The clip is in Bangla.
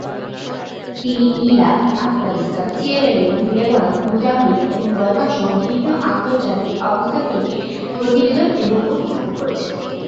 তিনি Iraq, Afghanistan, Sierra Leone, Lebanon, Mozambique এবং বলকান সহ বিভিন্ন আন্তর্জাতিক অবস্থান থেকে প্রতিবেদন এবং উপস্থাপন করেছেন।